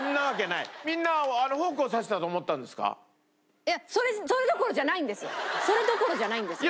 いやそれどころじゃないんですよ